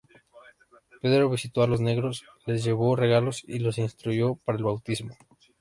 Pedro visitó a los negros, les llevó regalos y los instruyó para el bautismo.